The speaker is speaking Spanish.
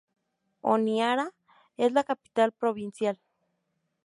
Honiara es la capital provincial.